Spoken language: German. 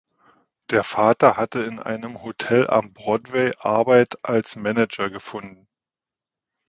Der Vater hatte in einem Hotel am Broadway Arbeit als Manager gefunden.